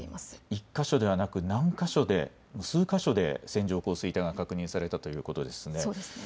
１か所ではなく数か所で線状降水帯が確認されたということですね。